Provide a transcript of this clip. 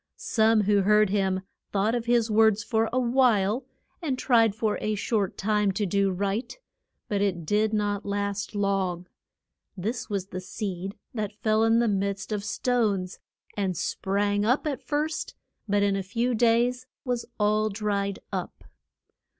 Some who heard him thought of his words for a while, and tried for a short time to do right. But it did not last long. This was the seed that fell in the midst of stones, and sprang up at first, but in a few days was all dried up.